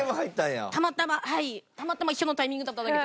たまたまたまたま一緒のタイミングだっただけ。